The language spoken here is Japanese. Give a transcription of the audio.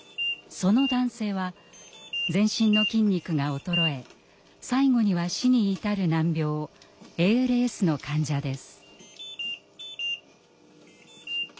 その男性は全身の筋肉が衰え最後には死に至る難病ＡＬＳの患者です。